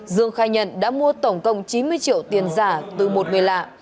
dương khai nhận đã mua tổng cộng chín mươi triệu tiền giả từ một người lạ